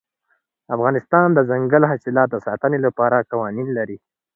افغانستان د دځنګل حاصلات د ساتنې لپاره قوانین لري.